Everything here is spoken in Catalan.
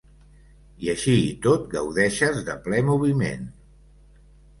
I així i tot gaudeixes de ple moviment.